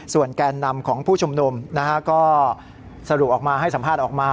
แกนนำของผู้ชุมนุมก็สรุปออกมาให้สัมภาษณ์ออกมา